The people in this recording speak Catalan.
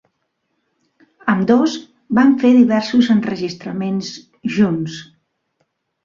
Ambdós van fer diversos enregistraments junts.